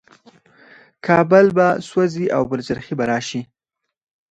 کابل به سوځي او پلچرخي به راشي.